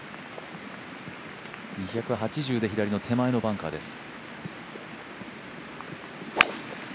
２８０で左の手前のバンカーです。